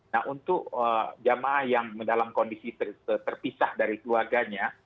nah untuk jamaah yang dalam kondisi terpisah dari keluarganya